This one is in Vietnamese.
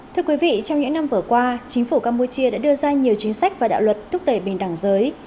thưa quý vị trong những năm vừa qua chính phủ campuchia đã đưa ra nhiều chính sách và đạo luật thúc đẩy bình đẳng giới